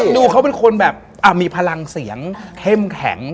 ดูเขาเป็นคนแบบมีพลังเสียงเข้มแข็ง